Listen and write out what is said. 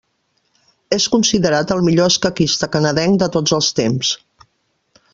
És considerat el millor escaquista canadenc de tots els temps.